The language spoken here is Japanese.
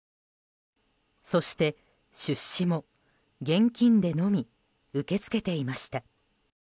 そして出資も、現金でのみ受け付けていました。